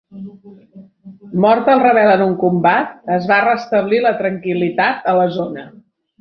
Mort el rebel en un combat es va restablir la tranquil·litat a la zona.